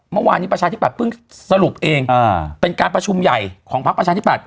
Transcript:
เมื่อวานี้ประชาธิปัตย์เพิ่งสรุปเองอ่าเป็นการประชุมใหญ่ของพักประชาธิปัตย์